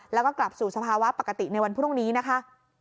แล้วก็กลับสู่สภาวะปกติในวันพรุ่งนี้นะคะ